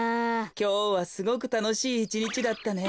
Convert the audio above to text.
きょうはすごくたのしいいちにちだったね。